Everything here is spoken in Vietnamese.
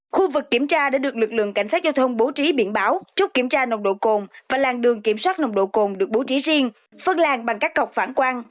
khu vực kiểm tra đã được lực lượng cảnh sát giao thông bố trí biển báo chúc kiểm tra nồng độ cồn và làng đường kiểm soát nồng độ cồn được bố trí riêng phân làng bằng các cọc phản quan